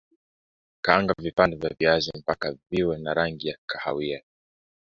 kaanga vipande vya viazi mpaka viwe na rangi ya kahawia